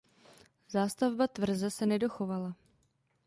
Zástavba tvrze se nedochovala.